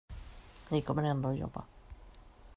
Ni kommer ändå att jobba.